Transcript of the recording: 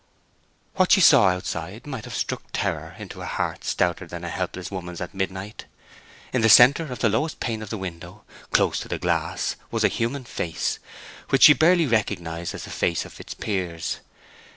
What she saw outside might have struck terror into a heart stouter than a helpless woman's at midnight. In the centre of the lowest pane of the window, close to the glass, was a human face, which she barely recognized as the face of Fitzpiers.